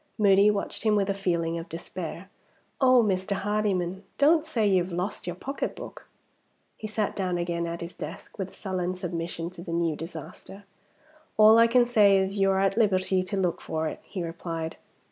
Moody watched him with a feeling of despair. "Oh! Mr. Hardyman, don't say you have lost your pocketbook!" He sat down again at his desk, with sullen submission to the new disaster. "All I can say is you're at liberty to look for it," he replied.